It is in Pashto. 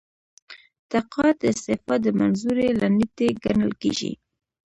تقاعد د استعفا د منظورۍ له نیټې ګڼل کیږي.